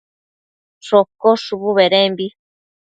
shocosh shubu bedembi